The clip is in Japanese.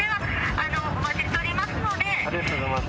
ありがとうございます。